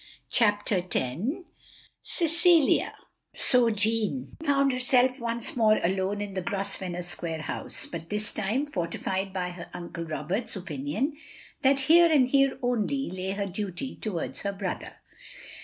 CHAPTER X CECILIA So Jeanne found herself once more alone in the Grosvenor Square house; but this time forti fied by her Uncle Roberts's opinion that here, and here only, lay her duty towards her brother.